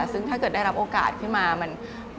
ซึ่งถ้าเกิดได้รับโอกาสขึ้นมามัน